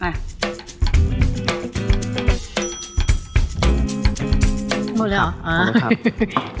หมดเลยเหรอ